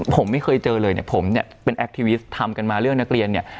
ผมไม่เคยเจอเลยเนี่ยผมเนี่ยเป็นแอคทีวิสทำกันมาเรื่องนักเรียนเนี่ย